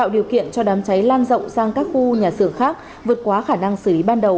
điều kiện cho đám cháy lan rộng sang các khu nhà xưởng khác vượt quá khả năng xử lý ban đầu